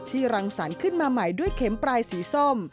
รังสรรค์ขึ้นมาใหม่ด้วยเข็มปลายสีส้ม